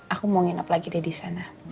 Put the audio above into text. aku mau nginep lagi deh disana